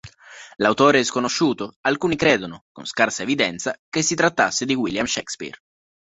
L'autore è sconosciuto; alcuni credono, con scarsa evidenza, che si trattasse di William Shakespeare.